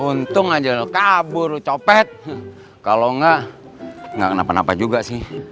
untung aja lo kabur copet kalo enggak gak kenapa napa juga sih